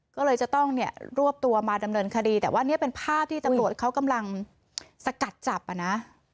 ก็เลยจะต้องเนี่ยรวบตัวมาดำเนินคดีแต่ว่าเนี่ยเป็นภาพที่ตำรวจเขากำลังสกัดจับอ่ะนะ